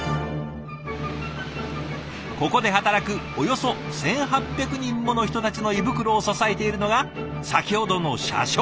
ここで働くおよそ１，８００人もの人たちの胃袋を支えているのが先ほどの社食。